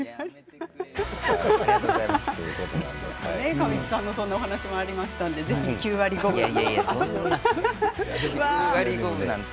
神木さんのそんなお話もありましたので９割５分なんて。